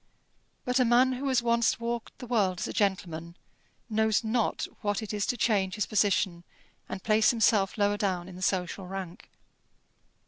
But a man who has once walked the world as a gentleman knows not what it is to change his position, and place himself lower down in the social rank.